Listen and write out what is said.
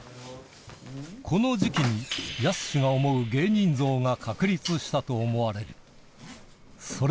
この時期にやすしが思う芸人像が確立したと思われる。